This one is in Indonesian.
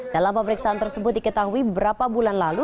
dalam pemeriksaan tersebut diketahui berapa bulan lalu